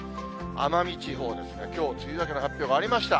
奄美地方ですね、きょう梅雨明けの発表がありました。